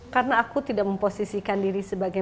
karena aku tidak memposisikan diri sebagai